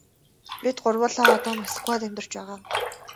Бид гурвуулаа одоо Москвад амьдарч байна.